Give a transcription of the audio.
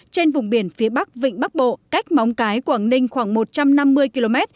trên vùng biển phía bắc vịnh bắc bộ cách móng cái quảng ninh khoảng một trăm năm mươi km